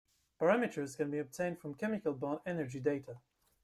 Parameters can be obtained from chemical bond energy data.